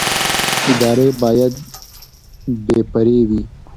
ادارې باید بې پرې وي